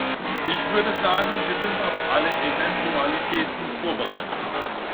Ich würde sagen, wir sind auf alle Eventualitäten vorbereitet.